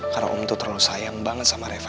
karena om tuh terlalu sayang banget sama reva